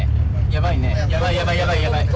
やばいね。